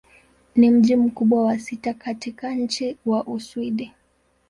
Ni mji mkubwa wa sita katika nchi wa Uswidi.